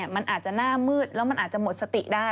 มันอาจจะหน้ามืดแล้วมันอาจจะหมดสติได้